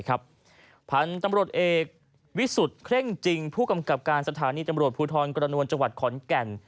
พันธุ์ตำรวจเอกวิสุทธิ์เคร่งจริงผู้กำกับการสถานีตำรวจภูทรกระนวลจังหวัดขอนแก่น